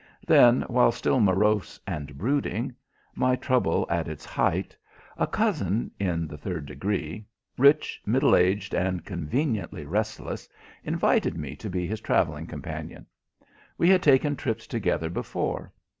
Then, while still morose and brooding, my trouble at its height, a cousin in the third degree rich, middle aged, and conveniently restless, invited me to be his travelling companion. We had taken trips together before.